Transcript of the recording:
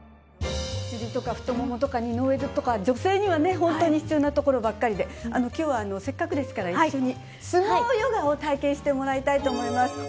お尻とか太ももとか二の腕とか女性には本当に必要なところばかりで今日はせっかくですから一緒に相撲ヨガを体験してもらいたいと思います。